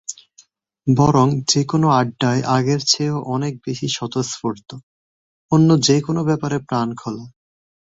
বরং যেকোনো আড্ডায় আগের চেয়েও অনেক বেশি স্বতঃস্ফূর্ত, অন্য যেকোনো ব্যাপারে প্রাণখোলা।